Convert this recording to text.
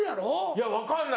いや分かんない。